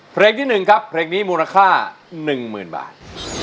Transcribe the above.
เพลงที่๑ครับเพลงนี้มูลค่า๑๐๐๐บาท